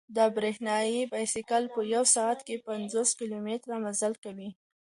دا برېښنايي بایسکل په یوه ساعت کې پنځوس کیلومتره مزل کوي.